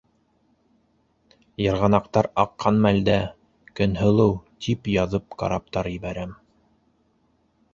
Йырғанаҡтар аҡҡан мәлдә «Көнһылыу» тип яҙып караптар ебәрәм.